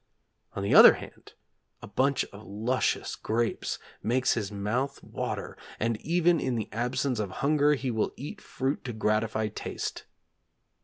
On the other hand, a bunch of luscious grapes makes his 'mouth water,' and even in the absence of hunger he will eat fruit to gratify taste.